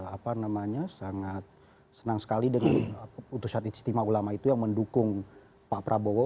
apa namanya sangat senang sekali dengan keputusan istimewa ulama itu yang mendukung pak prabowo